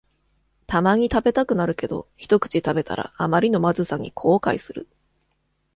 たまに食べたくなるけど、ひとくち食べたらあまりのまずさに後悔する